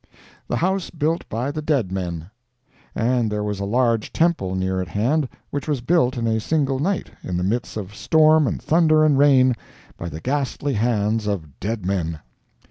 THE HOUSE BUILT BY THE DEAD MEN And there was a large temple near at hand which was built in a single night, in the midst of storm and thunder and rain, by the ghastly hands of dead men!